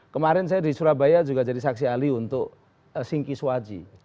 kemarin saya di surabaya juga jadi saksi ahli untuk singki swaji